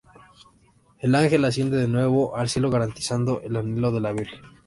El ángel asciende de nuevo al cielo garantizando el anhelo de la Virgen.